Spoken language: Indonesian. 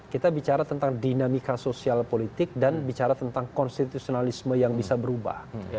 kita bicara tentang dinamika sosial politik dan bicara tentang konstitusionalisme yang bisa berubah